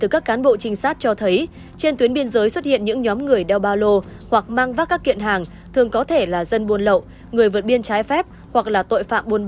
cảm ơn quý vị đã theo dõi và hẹn gặp lại